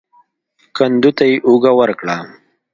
کندو ته يې اوږه ورکړه.